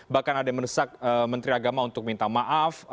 bahkan ada yang menesak menteri agama untuk minta maaf